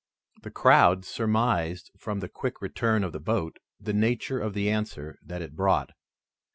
The crowd surmised from the quick return of the boat the nature of the answer that it brought.